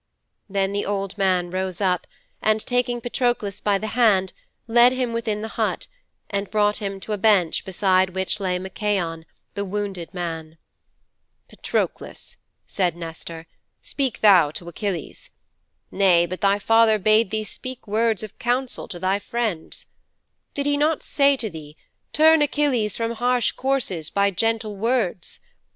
"' 'Then the old man rose up and taking Patroklos by the hand led him within the hut, and brought him to a bench beside which lay Machaon, the wounded man.' '"Patroklos," said Nestor, "speak thou to Achilles. Nay, but thy father bade thee spake words of counsel to thy friend. Did he not say to thee 'turn Achilles from harsh courses by gentle words'?